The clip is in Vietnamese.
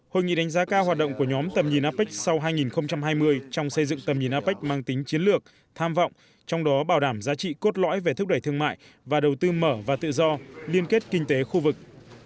hội nghị đánh giá cao hoạt động của nhóm tầm nhìn apec sau hai nghìn hai mươi trong xây dựng tầm nhìn apec mang tính chiến lược tham vọng trong đó bảo đảm giá trị cốt lõi về thúc đẩy thương mại và đầu tư mở và tự do liên kết kinh tế khu vực